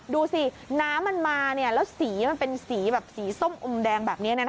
ดูสิน้ำมันมาสีเป็นส้มอมแดงแบบนี้